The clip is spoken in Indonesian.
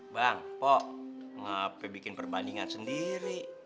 bang kok ngapain bikin perbandingan sendiri